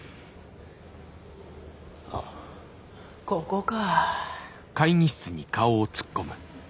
あここか。